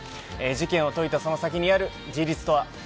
事件を解いたその先にある事実とは。